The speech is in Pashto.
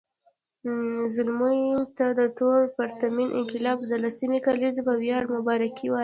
زلمو ته د ثور پرتمین انقلاب د لسمې کلېزې په وياړ مبارکي وایم